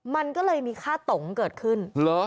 มันก็เลยมีค่าตงเกิดขึ้น